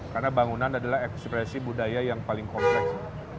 karena bangunan adalah ekspresi budaya yang paling kompleks